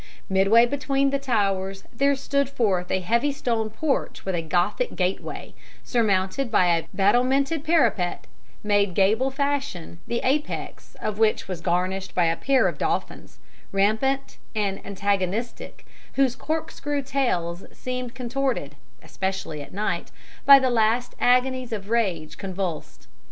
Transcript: "Midway between the towers there stood forth a heavy stone porch with a Gothic gateway, surmounted by a battlemented parapet, made gable fashion, the apex of which was garnished by a pair of dolphins, rampant and antagonistic, whose corkscrew tails seemed contorted especially at night by the last agonies of rage convulsed.